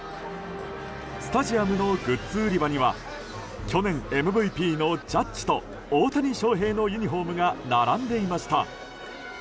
スタジアムのグッズ売り場には去年ＭＶＰのジャッジと大谷翔平のユニホームが並んでいました。